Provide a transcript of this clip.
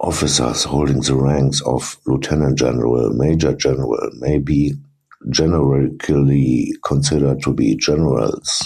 Officers holding the ranks of lieutenant-general, major-general may be generically considered to be generals.